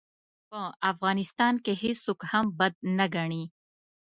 په افغانستان کې هېڅوک هم بد نه ګڼي.